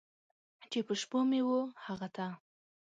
چې په شپو مې و هغه ته!